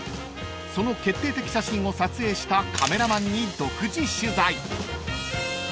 ［その決定的写真を撮影したカメラマンに独自取材］